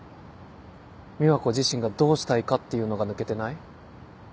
美和子自身がどうしたいかっていうのが抜けてない？